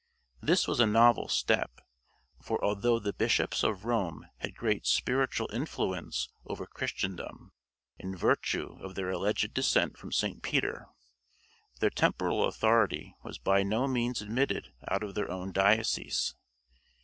This was a novel step; for although the bishops of Rome had great spiritual influence over Christendom, in virtue of their alleged descent from St. Peter, their temporal authority was by no means admitted out of their own diocese.